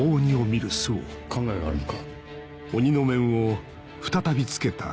考えがあるのか？